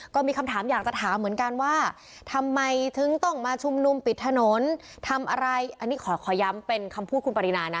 ก็มีคำถามอยากจะถามเหมือนกันว่าทำไมถึงต้องมาชุมนุมปิดถนนทำอะไรอันนี้ขอขอย้ำเป็นคำพูดคุณปรินานะ